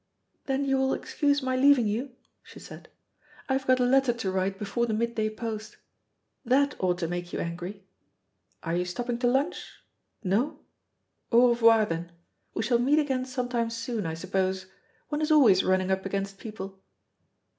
"Then you will excuse my leaving you?" she said. "I've got a letter to write before the midday post. That ought to make you angry. Are you stopping to lunch? No? Au revoir, then. We shall meet again sometime soon, I suppose. One is always running up against people."